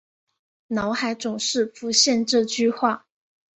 脑海总是浮现这句话